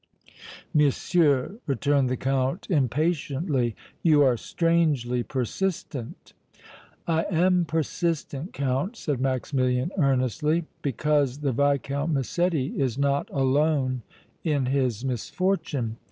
"Monsieur," returned the Count, impatiently, "you are strangely persistent." "I am persistent, Count," said Maximilian, earnestly, "because the Viscount Massetti is not alone in his misfortune.